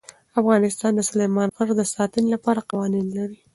افغانستان د سلیمان غر د ساتنې لپاره قوانین لري.